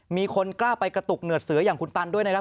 มีคนกล้าไปกระตุกเหมือดเสืออย่างคุณตันด้วยนะครับ